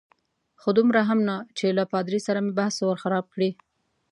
خو دومره هم نه چې له پادري سره مې بحث ور خراب کړي.